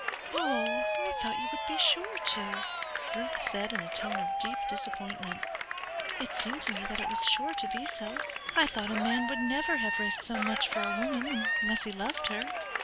"Oh, I thought you would be sure to," Ruth said in a tone of deep disappointment. "It seemed to me that it was sure to be so. I thought a man would never have risked so much for a woman unless he loved her."